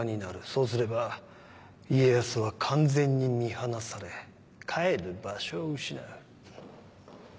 そうすれば家康は完全に見放され帰る場所を失う。